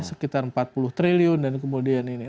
sekitar empat puluh triliun dan kemudian ini